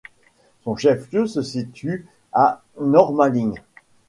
Son chef-lieu se situe à Nordmaling.